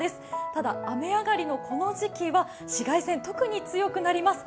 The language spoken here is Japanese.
ただ、雨上がりのこの時期は紫外線、特に強くなります。